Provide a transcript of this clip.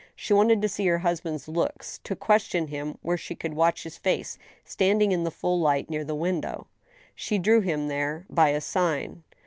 She wanted to see her husband's looks, to question him where she could watch his face standing in the full light — near the window. She drew him there by a sign.